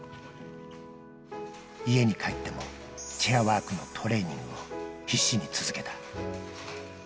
家に帰っても、チェアワークのトレーニングを必死に続けた。